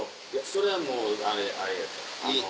それはもうあれやで。